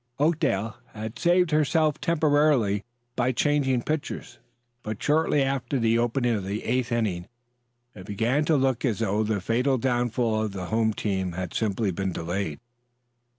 Oakdale had saved herself temporarily by changing pitchers, but shortly after the opening of the eighth inning it began to look as if the fatal downfall of the home team had simply been delayed.